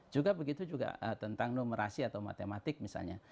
juga begitu juga tentang numerasi atau matematik misalnya